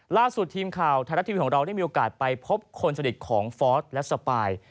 ล่าสุดทีมข่าวไทยรัฐทีวีของเราได้มีโอกาสไปพบคนสนิทของฟอสและสปาย